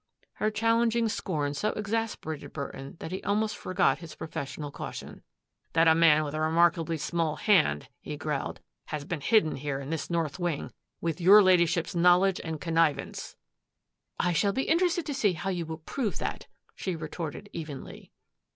Her challenging scorn so exasperated Burton that he almost forgot his professional caution. " That a man with a remarkably small hand," he growled, "has been hidden here in this north wing with your Ladyship's knowledge and con nivance." ti I shall be interested to see how you will prove that," she retorted evenly.